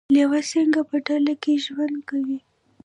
لیوه څنګه په ډله کې ژوند کوي؟